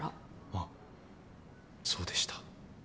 あっそうでした。